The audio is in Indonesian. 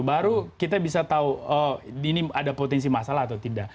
baru kita bisa tahu ini ada potensi masalah atau tidak